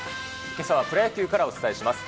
けさはプロ野球からお伝えします。